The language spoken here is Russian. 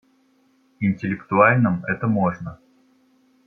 Интеллектуальном - это можно.